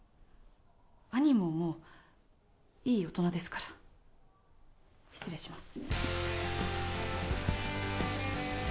兄ももういい大人ですから失礼します